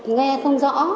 nghe không rõ